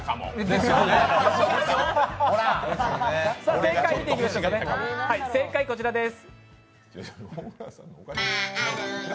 では、正解はこちらです。